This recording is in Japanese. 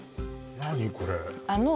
何これ？